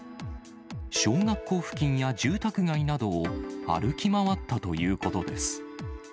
小学校付近や住宅街などを歩き回ったということです。